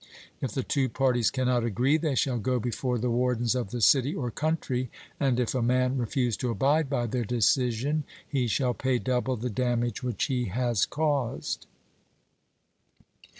If the two parties cannot agree, they shall go before the wardens of the city or country, and if a man refuse to abide by their decision, he shall pay double the damage which he has caused.